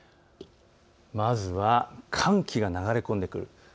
まずは寒気が流れ込んでくる。